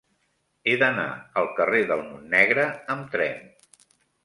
He d'anar al carrer del Montnegre amb tren.